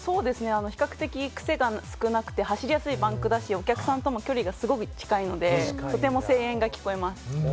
比較的、クセが少なくて走り合うバンクだし、お客さんとも距離がすごく近いので、とても声援が聞こえます。